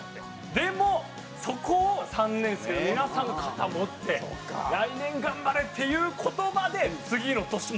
でもそこを３年生の皆さんが肩持って「来年頑張れ」っていう言葉で次の年も出るんですよ。